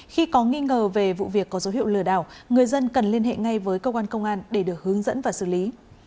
khi có nghi ngờ về vụ việc có dấu hiệu lừa đảo người dân cần liên hệ ngay với cơ quan công an để được hướng dẫn và xử lý